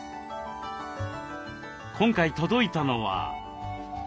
今回届いたのは。